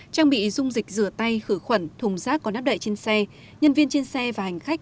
trang bị dung dịch rửa tay khử khuẩn thùng rác có nắp đậy trên xe nhân viên trên xe và hành khách